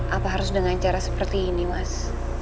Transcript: apa harus dengan cara seperti ini mas